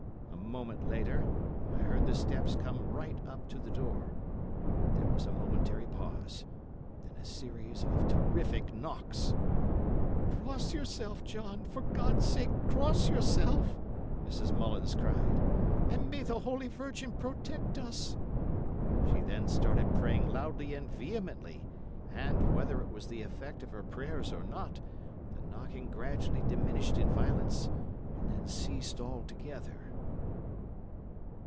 A moment later, and I heard the steps come right up to the door. There was a momentary pause, then a series of terrific knocks. "Cross yourself, John; for God's sake cross yourself!" Mrs. Mullins cried. "And may the Holy Virgin protect us." She then started praying loudly and vehemently, and, whether it was the effect of her prayers or not, the knocking gradually diminished in violence, and then ceased altogether.